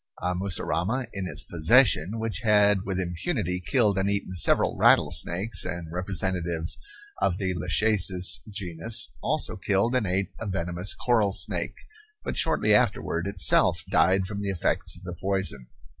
A mussurama in his possession, which had with impunity killed and eaten several rattlesnakes and representatives of the lachecis genus, also killed and ate a venomous coral snake, but shortly afterward itself died from the effects of the poison.